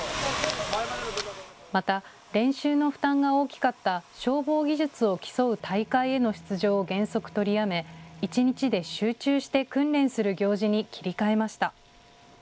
また練習の負担が大きかった消防技術を競う大会への出場を原則取りやめ、一日で集中して訓練する行事に切り替えました。